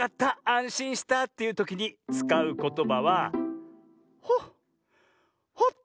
あんしんしたというときにつかうことばはホッ。